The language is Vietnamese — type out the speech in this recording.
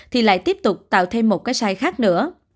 thì lại tiếp tục tạo thêm một cái sai khác nữa